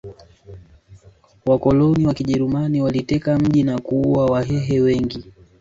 Wakoloni wakijerumani waliteka mji na kuua wahehe wengi